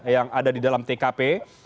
yang ada di dalam tkp